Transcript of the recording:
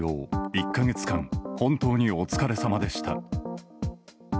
１か月間本当にお疲れさまでした。